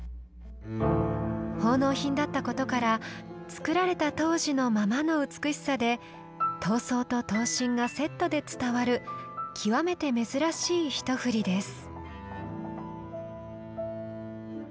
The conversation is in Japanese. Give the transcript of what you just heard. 奉納品だったことから作られた当時のままの美しさで刀装と刀身がセットで伝わる極めて珍しい一振りです。